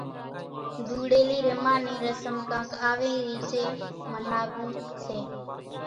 ڌوڙِيلي رميا نِي رسم ڪانڪ آوي ريچين مناوون سي۔